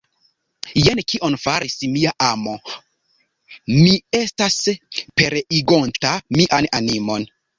Jen kion faris mia amo, mi estas pereigonta mian animon!